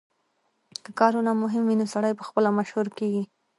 که کارونه مهم وي نو سړی پخپله مشهور کیږي